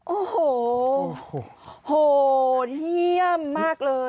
โอ้โฮโอ้โฮเที่ยมมากเลย